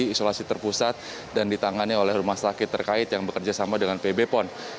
isolasi terpusat dan ditangani oleh rumah sakit terkait yang bekerja sama dengan pb pon